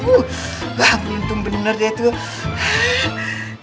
wah beruntung bener dia tuh